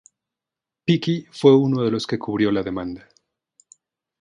Peake fue uno de los que cubrió la demanda.